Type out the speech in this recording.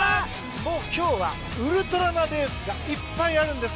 もう今日はウルトラなレースがいっぱいあるんです。